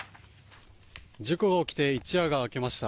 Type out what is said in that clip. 事故が起きて一夜が明けました。